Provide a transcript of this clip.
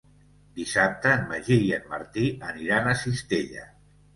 Dissabte en Magí i en Martí aniran a Cistella.